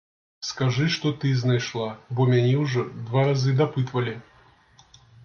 Скажы, што ты знайшла, бо мяне ўжо два разы дапытвалі.